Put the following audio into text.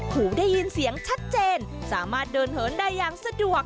หูได้ยินเสียงชัดเจนสามารถเดินเหินได้อย่างสะดวก